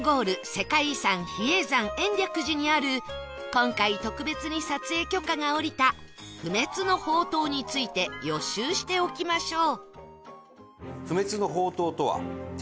世界遺産比叡山延暦寺にある今回特別に撮影許可が下りた不滅の法灯について予習しておきましょう